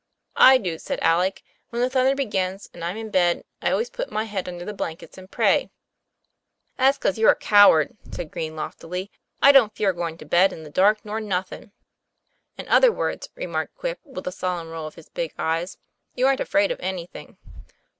'I do," said Alec. "When the thunder begins, and I'm in bed, I always put my head under the blankets and pray." 'That's 'cos you're a coward," said Green loftily. ' I don't fear going to bed in the dark nor nothin'." :< In other words," remarked Quip, with a solemn roll of his big eyes, "you aren't afraid of any thing."